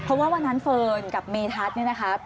เพราะว่าวันนั้นเฟิร์นกับเมทัศน์เนี่ยนะคะ